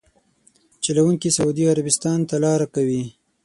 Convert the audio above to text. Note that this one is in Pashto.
چلونکي سعودي عربستان ته لاره کوي.